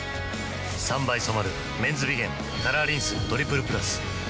３倍染まる「メンズビゲンカラーリンストリプルプラス」